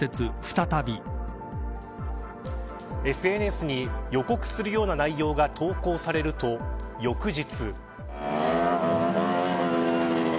ＳＮＳに予告するような内容が投稿されると翌日。